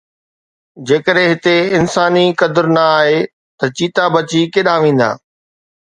جيڪڏهن هتي انساني قدر نه آهي ته چيتا بچي ڪيڏانهن ويندا؟